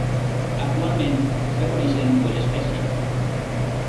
Actualment es reconeixen dues espècies.